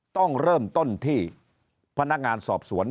ต้องเริ่มต้นที่พนักงานสอบสวน